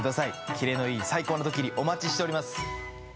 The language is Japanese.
キレのいい最高のドッキリお待ちしております。